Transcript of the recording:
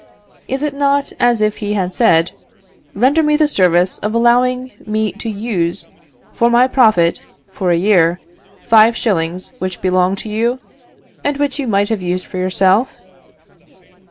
Is it not as if he had said, "Render me the service of allowing me to use for my profit, for a year, five shillings which belong to you, and which you might have used for yourself?"